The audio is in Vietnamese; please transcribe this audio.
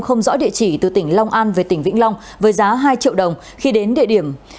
không rõ địa chỉ từ tỉnh long an về tỉnh vĩnh long với giá hai triệu đồng khi đến địa điểm